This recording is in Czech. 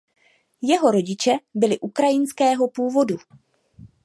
Jeho rodiče byli ukrajinského původu.